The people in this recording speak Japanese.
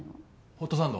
ホットサンド。